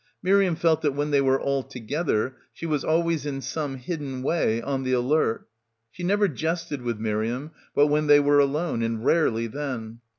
Miriam felt that when they were all together she was always in some hidden way on the alert. She never jested with Miriam but when they were alone, and rarely then.